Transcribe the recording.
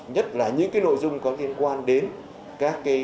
nhất là những nội dung có liên quan đến các viên tài